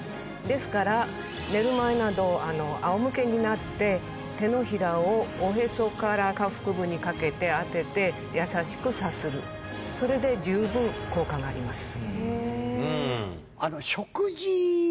ですから寝る前などあおむけになって手のひらをおへそから下腹部にかけて当てて優しくさするそれで十分効果があります。